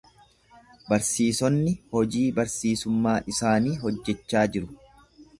Barsiisonni hojii barsiisummaa isaanii hojjechaa jiru.